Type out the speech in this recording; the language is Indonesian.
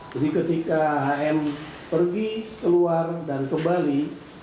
jadi ketika hm pergi keluar dan kembali